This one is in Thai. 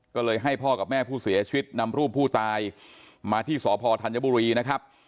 ก็เลยให้พ่อกับแม่ผู้เสียชีวิตนำรูปผู้ตายมาที่สพธัญบุรีนะครับ